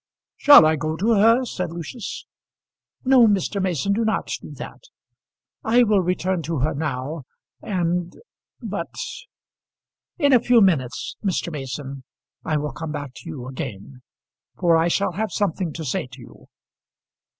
"Shall I go to her?" said Lucius. "No, Mr. Mason, do not do that. I will return to her now. And but; in a few minutes, Mr. Mason, I will come back to you again, for I shall have something to say to you."